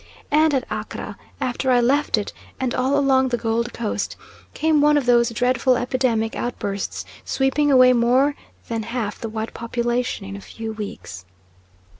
And at Accra, after I left it, and all along the Gold Coast, came one of those dreadful epidemic outbursts sweeping away more than half the white population in a few weeks.